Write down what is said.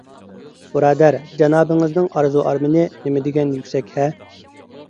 بۇرادەر، جانابىڭىزنىڭ ئارزۇ - ئارمىنى نېمىدېگەن يۈكسەك - ھە!